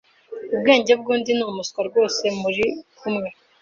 Ubwenge bw'undi ni umuswa rwose murikumwe